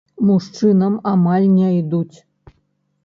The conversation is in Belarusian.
Мужчыны амаль не ідуць.